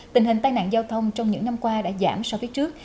tình hình tai nạn giao thông trong những năm qua đã giảm so với trước